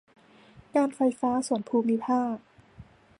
การไฟฟ้าส่วนภูมิภาค